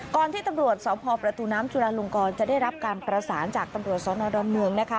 ที่ตำรวจสพประตูน้ำจุลาลงกรจะได้รับการประสานจากตำรวจสนดอนเมืองนะคะ